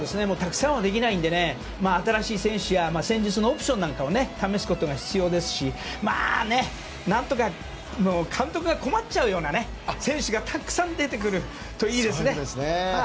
たくさんはできないので新しい選手や戦術のオプションを試すことが必要ですし監督が困っちゃうような選手がたくさん出てくるといいですね。